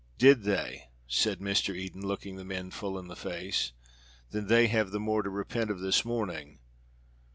"Did they?" said Mr. Eden, looking the men full in the face. "Then they have the more to repent of this morning.